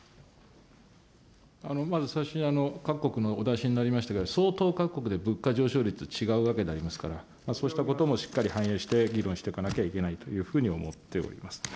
まず、最初に各国のお出しになりましたが、相当、各国で物価上昇率、違うわけでありますから、そうしたこともしっかり反映して議論していかなきゃいけないというふうに思っております。